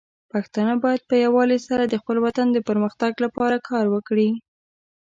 پښتانه بايد په يووالي سره د خپل وطن د پرمختګ لپاره کار وکړي.